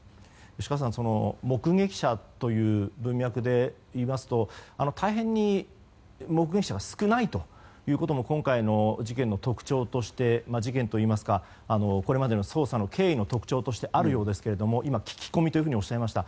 吉川さん目撃者という文脈でいうと、大変目撃者が少ないということが今回の事件といいますかこれまでの捜査の経緯の特徴としてあるようですが今、聞き込みとおっしゃいました。